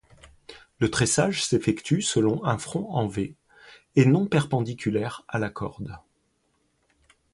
Le tressage s’effectue selon un front en V, et non perpendiculaire à la corde.